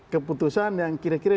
keputusan yang kira kira